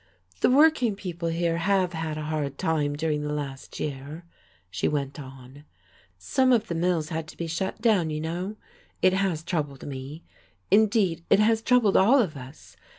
"The working people here have had a hard time during the last year," she went on. "Some of the mills had to be shut down, you know. It has troubled me. Indeed, it has troubled all of us.